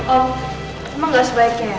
om emang gak sebaiknya ya